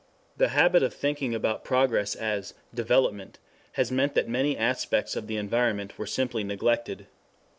The habit of thinking about progress as "development" has meant that many aspects of the environment were simply neglected.